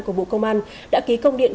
của bộ công an đã ký công điện